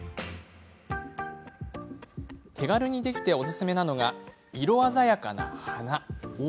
手軽にできておすすめなのが色鮮やかな花。